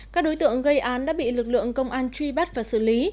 các đối tượng gây án đã bị lực lượng công an truy bắt và xử lý